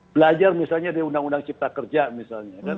belajar misalnya di undang undang cipta kerja misalnya